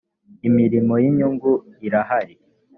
imirimo y inyungu irahari